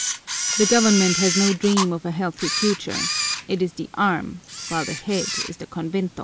The government has no dream of a healthy future; it is the arm, while the head is the convento.